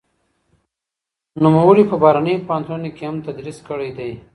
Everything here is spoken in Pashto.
نوموړي په بهرنيو پوهنتونونو کې هم تدريس کړی دی.